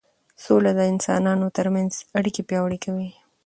سوله د انسانانو ترمنځ اړیکې پیاوړې کوي